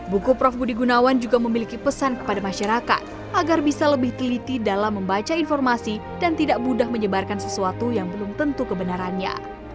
buku prof budi gunawan juga memiliki pesan kepada masyarakat agar bisa lebih teliti dalam membaca informasi dan tidak mudah menyebarkan sesuatu yang belum tentu kebenarannya